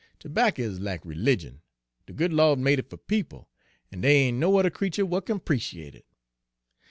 Terbacker is lack religion, de good Lawd made it fer people, en dey ain' no yuther creetur w'at kin 'preciate it.